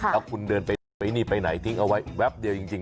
แล้วคุณเดินไปนี่ไปไหนทิ้งเอาไว้แป๊บเดียวจริง